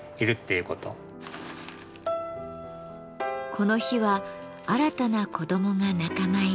この日は新たな子どもが仲間入り。